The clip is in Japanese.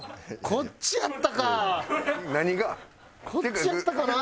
こっちやったかな。